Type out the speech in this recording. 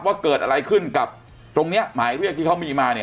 ว่าเกิดอะไรขึ้นกับตรงเนี้ยหมายเรียกที่เขามีมาเนี่ย